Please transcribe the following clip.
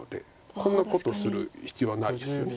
こんなことする必要はないですよね。